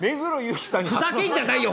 ふざけんじゃないよ